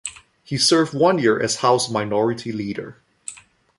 He served one year as House Minority Leader.